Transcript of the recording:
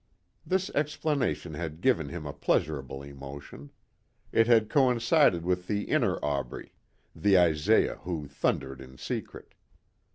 This explanation had given him a pleasurable emotion. It had coincided with the inner Aubrey the Isaiah who thundered in secret.